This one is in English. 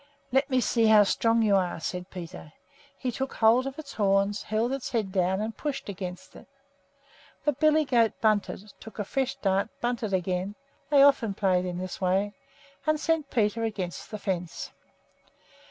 "Let me see how strong you are," said Peter. He took hold of its horns, held its head down, and pushed against it. The billy goat bunted, took a fresh start, bunted again, they often played in this way, and sent Peter against the fence.